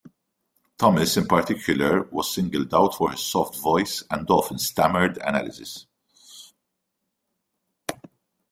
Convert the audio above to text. Thomas, in particular, was singled out for his soft voice and often stammered analysis.